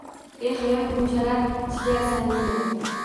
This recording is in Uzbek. Ey hayot bunchalar chigalsan nega?